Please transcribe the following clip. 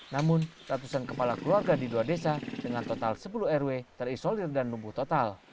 namun ratusan kepala keluarga di dua desa dengan total sepuluh rw terisolir dan lumpuh total